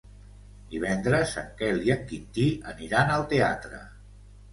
Divendres en Quel i en Quintí aniran al teatre.